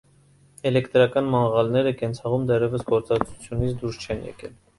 Էլեկտրական մանղալները կենցաղում դեռևս գործածությունից դուրս չեն եկել։